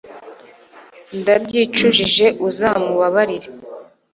ndabyicujije, uzamubabarire